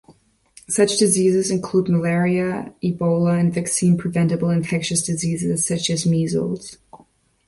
Such diseases include malaria, Ebola and vaccine-preventable infectious diseases such as measles.